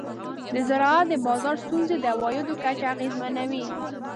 د زراعت د بازار ستونزې د عوایدو کچه اغېزمنوي.